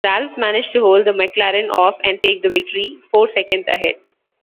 Ralf managed to hold the McLaren off and take the victory, four seconds ahead.